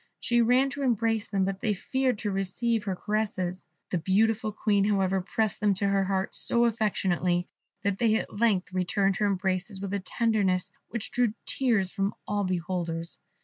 She ran to embrace them, but they feared to receive her caresses; the beautiful Queen, however, pressed them to her heart so affectionately that they at length returned her embraces with a tenderness which drew tears from all beholders.